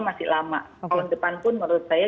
masih lama tahun depan pun menurut saya